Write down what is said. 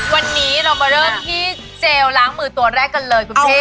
วันนี้เรามาเริ่มที่เจลล้างมือตัวแรกกันเลยคุณพี่